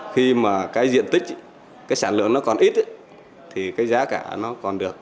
khi mà cái diện tích cái sản lượng nó còn ít thì cái giá cả nó còn được